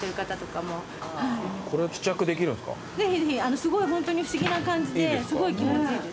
すごいホントに不思議な感じですごい気持ちいいです。